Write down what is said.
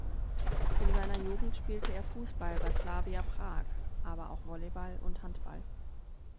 In seiner Jugend spielte er Fußball bei Slavia Prag, aber auch Volleyball und Handball.